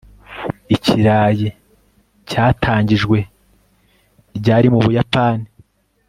Ikirayi cyatangijwe ryari mu Buyapani